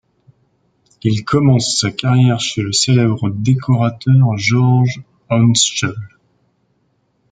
Il commence sa carrière chez le célèbre décorateur Georges Hoentschel.